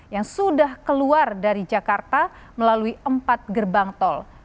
yang sudah keluar dari jakarta melalui empat gerbang tol